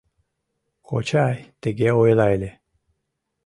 Кочай тыге ойла ыле...